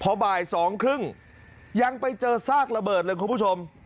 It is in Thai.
พอบ่าย๒๓๐ยังไปเจอซากระเบิดเลยคุณผู้ชม